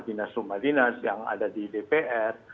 dinas rumah dinas yang ada di dpr